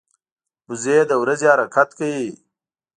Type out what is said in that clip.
وزې د ورځي حرکت کوي